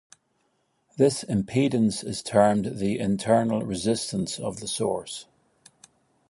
This impedance is termed the internal resistance of the source.